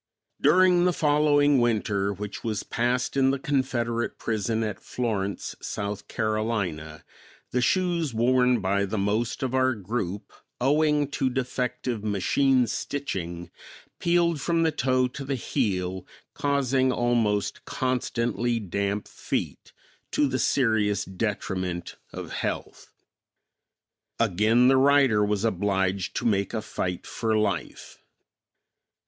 During the following winter which was passed in the Confederate prison at Florence, South Carolina, the shoes worn by the most of our group, owing to defective machine stitching, peeled from the toe to the heel, causing almost constantly damp feet, to the serious detriment of health. Again the writer was obliged to make a fight for life.